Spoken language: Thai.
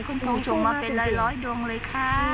คุณครูส่งมาเป็นร้อยดวงเลยค่ะ